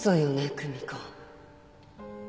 久美子。